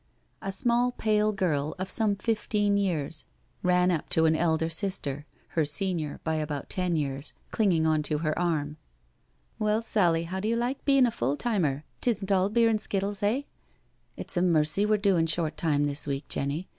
A small pale girl of some fifteen years ran up to 4 NO SURRENDER an elder sister, her senior by about ten years^ clinging on to her arm. *' Well, Sally, how do you like bein' a full timer? Tisn*t all beer and skittles, eh?" It*s a mercy we're doin' short time this week, Jenny.